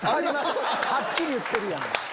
はっきり言ってるやん！